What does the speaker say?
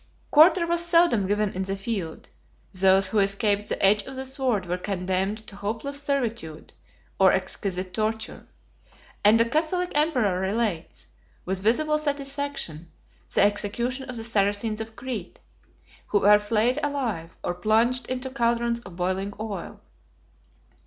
Quarter was seldom given in the field; those who escaped the edge of the sword were condemned to hopeless servitude, or exquisite torture; and a Catholic emperor relates, with visible satisfaction, the execution of the Saracens of Crete, who were flayed alive, or plunged into caldrons of boiling oil.